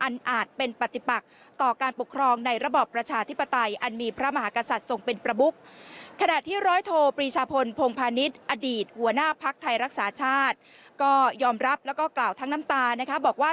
วอาทิตย์หัวหน้าพรรคไทยรักษาชาติก็ยอมรับแล้วก็กล่าวทั้งน้ำตาว่า